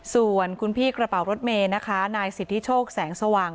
ส่วนคุณพี่กระเป๋ารถเมย์นะคะนายสิทธิโชคแสงสว่าง